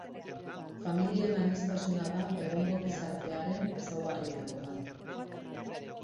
Familien aniztasuna da egungo gizartearen ezaugarrietako bat.